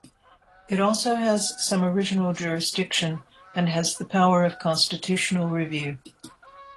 It also has some original jurisdiction, and has the power of constitutional review.